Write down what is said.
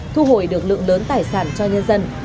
thu hồi được lượng lớn tài sản cho nhân dân